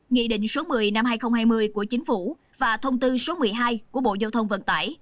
nghị định số một mươi năm hai nghìn hai mươi của chính phủ và thông tư số một mươi hai của bộ giao thông vận tải